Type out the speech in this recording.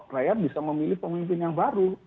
rakyat bisa memilih pemimpin yang baru